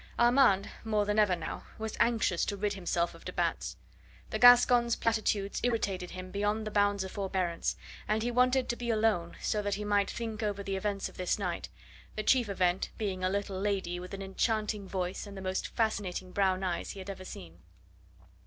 Armand more than ever now was anxious to rid himself of de Batz. The Gascon's platitudes irritated him beyond the bounds of forbearance, and he wanted to be alone, so that he might think over the events of this night, the chief event being a little lady with an enchanting voice and the most fascinating brown eyes he had ever seen.